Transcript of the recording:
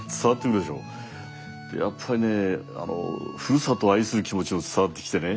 でやっぱりねあのふるさとを愛する気持ちも伝わってきてね